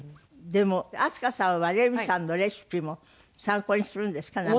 でも明日香さんはレミさんのレシピも参考にするんですか？